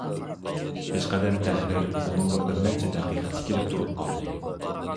پېشقەدەم تەھرىر ئۇنىڭغا بىرنەچچە دەقىقە تىكىلىپ تۇرۇپ قالدى.